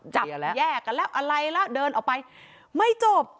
จับแล้วแยกกันแล้วอะไรแล้วเดินออกไปไม่จบ